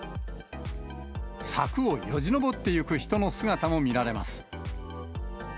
柵をよじ登っていく人の姿も見られます。